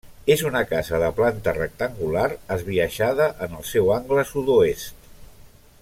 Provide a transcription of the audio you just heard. És una casa de planta rectangular esbiaixada en el seu angle sud-oest.